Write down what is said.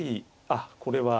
あっこれは。